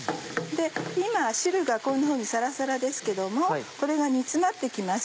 今は汁がこんなふうにサラサラですけどもこれが煮詰まって来ます。